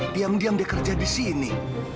diam diam dia kerja di sini